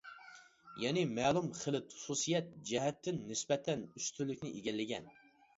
يەنى مەلۇم خىلىت خۇسۇسىيەت جەھەتتىن نىسبەتەن ئۈستۈنلۈكنى ئىگىلىگەن.